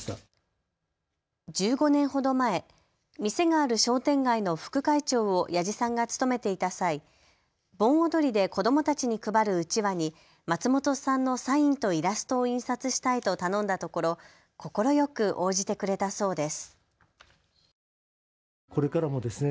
１５年ほど前、店がある商店街の副会長を矢治さんが務めていた際、盆踊りで子どもたちに配るうちわに松本さんのサインとイラストを印刷したいと頼んだところ快く応じてくれたそうです。